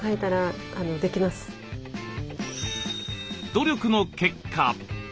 努力の結果。